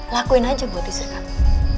lakuin aja buat istri kamu